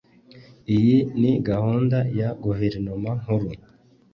iyi ni gahunda ya guverinoma nkuru